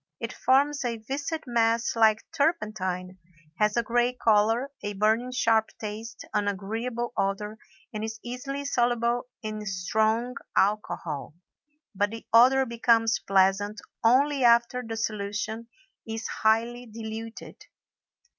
It forms a viscid mass like turpentine, has a gray color, a burning sharp taste, an agreeable odor, and is easily soluble in strong alcohol; but the odor becomes pleasant only after the solution is highly diluted.